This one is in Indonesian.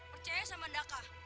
percayanya sama ndaka